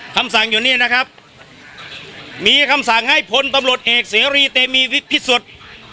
คำสั่งอยู่เนี่ยนะครับมีคำสั่งให้พลตำรวจเอกเสรีเตมีวิทย์พิสุทธิ์